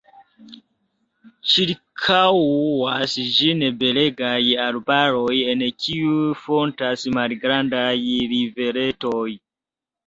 Ĉirkaŭas ĝin belegaj arbaroj, en kiuj fontas malgrandaj riveretoj.